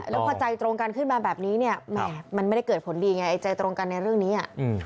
แล้วพอใจตรงกันขึ้นมาแบบนี้เนี่ยแหมมันไม่ได้เกิดผลดีไงใจตรงกันในเรื่องนี้